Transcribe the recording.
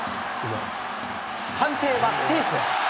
判定はセーフ。